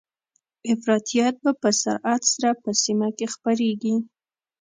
افراطيت به په سرعت سره په سیمه کې خپریږي